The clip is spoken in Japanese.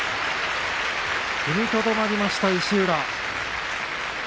踏みとどまりました石浦。